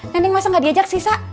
neneng masa gak diajak sih sa